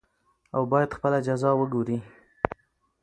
او بايد خپله جزا وګوري .